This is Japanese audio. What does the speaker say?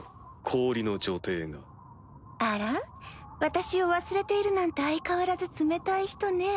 私を忘れているなんて相変わらず冷たい人ね。